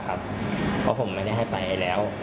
เพราะผมไม่ได้ให้ไปแล้ว